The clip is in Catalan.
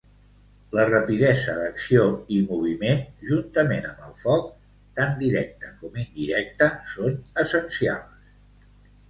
La rapidesa d'acció i moviment, juntament amb el foc, tant directe com indirecte, són essencials.